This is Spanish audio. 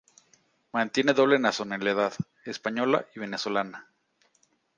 Mantiene doble nacionalidad, española y venezolana.